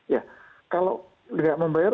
ya kalau tidak membayar